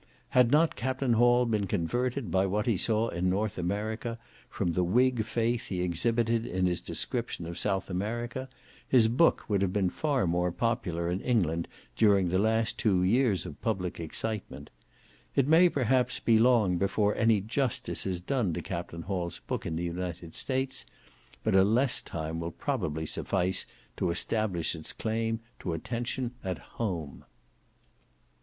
Had not Capt. Hall been converted by what he saw in North America, from the Whig faith he exhibited in his description of South America, his book would have been far more popular in England during the last two years of public excitement; it may, perhaps, be long before any justice is done to Capt. Hall's book in the United States, but a less time will probably suffice to establish its claim to attention at home.